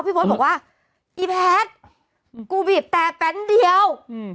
โพสต์บอกว่าอีแพทย์กูบีบแต่แป๊บเดียว